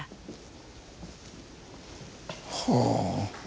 はあ。